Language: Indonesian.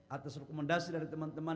atas rekomendasi dari teman teman